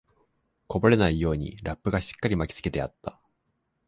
こぼれないようにラップがしっかり巻きつけてあった